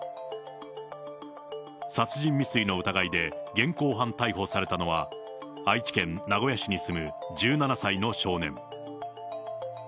殺人未遂の疑いで現行犯逮捕されたのは、愛知県名古屋市に住む１７歳の少年。